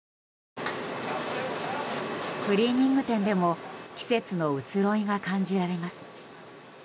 クリーニング店でも季節の移ろいが感じられます。